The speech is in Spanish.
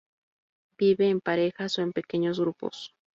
Vive en parejas o en pequeños grupos.